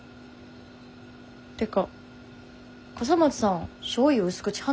ってか笠松さんしょうゆ薄口派